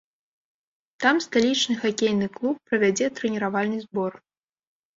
Там сталічны хакейны клуб правядзе трэніравальны збор.